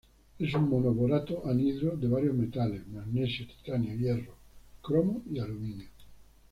Es un mono-borato anhidro de varios metales: magnesio, titanio, hierro, cromo y aluminio.